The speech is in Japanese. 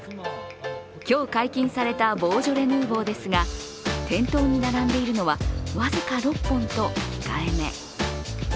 今日解禁されたボージョレ・ヌーボーですが、店頭に並んでいるのは僅か６本と控えめ。